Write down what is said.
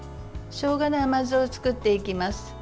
しょうがの甘酢を作っていきます。